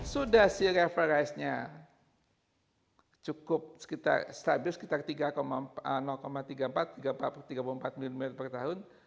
sudah sih referensinya cukup stabil sekitar tiga puluh empat tiga puluh empat mm per tahun